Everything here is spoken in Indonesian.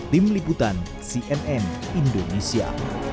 tim liputan cnn indonesia